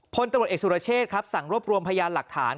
พลตำรวจเอกสุรเชษครับสั่งรวบรวมพยานหลักฐาน